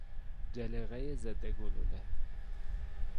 جلیقهی ضد گلوله